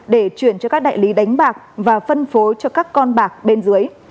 để chuyển cho các đại lý đánh bạc và phân phối cho các con bạc bên dưới